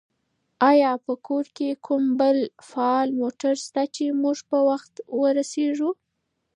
آیا په کور کې کوم بل فعال موټر شته چې موږ په وخت ورسېږو؟